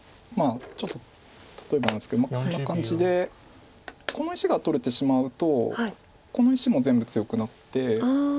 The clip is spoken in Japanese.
ちょっと例えばなんですけどこんな感じでこの石が取れてしまうとこの石も全部強くなって。